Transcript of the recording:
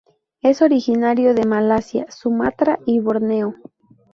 Es originario de Malasia, Sumatra y Borneo.